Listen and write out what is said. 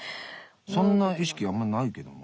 そんな意識あんまないけどな。